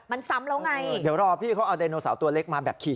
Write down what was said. มันซ้ำแล้วไงเดี๋ยวรอพี่เขาเอาไดโนเสาร์ตัวเล็กมาแบบขี่